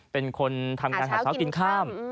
เป็นคนทำการหากินข้าม